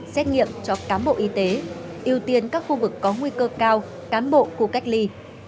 xét nghiệm cho cám bộ y tế ưu tiên các khu vực có nguy cơ cao cán bộ khu cách ly